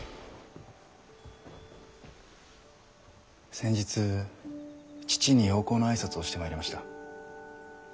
先日父に洋行の挨拶をしてまいりました。